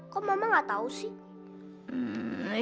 kok mama gak tahu sih